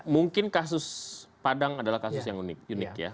mungkin kasus padang adalah kasus yang unik ya